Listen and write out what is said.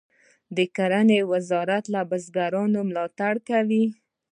د کرنې وزارت له بزګرانو ملاتړ کوي